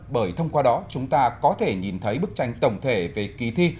bởi thông qua đó chúng ta có thể nhìn thấy bức tranh tổng thể về kỳ thi